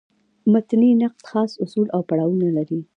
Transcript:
متني نقد خاص اصول او پړاوونه لري.